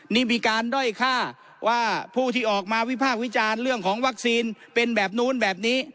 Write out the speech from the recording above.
นี่มีการด้อยค่าว่าผู้ที่ออกมาวิภาควิจารณ์เรื่องของวัคซีนเป็นแบบนู้นแบบนี้